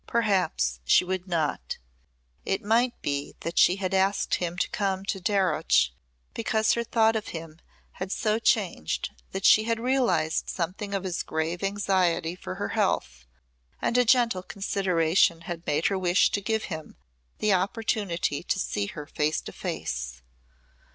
Perhaps she would not. It might be that she had asked him to come to Darreuch because her thought of him had so changed that she had realised something of his grave anxiety for her health and a gentle consideration had made her wish to give him the opportunity to see her face to face.